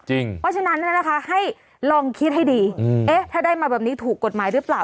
จริงว่าฉะนั้นเนี้ยนะคะให้ลองคิดให้ดีอืมเอ๊ะถ้าได้มาแบบนี้ถูกกฎหมายหรือเปล่า